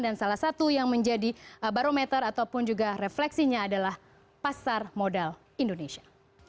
dan salah satu yang menjadi barometer ataupun juga refleksinya adalah pasar modal indonesia